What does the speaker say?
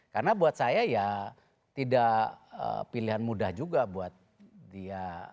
karena buat saya ya tidak pilihan mudah juga buat dia